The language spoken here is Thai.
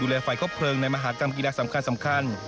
ดูแลไฟข้อเพลิงในมหากรรมกีฎาสำคัญ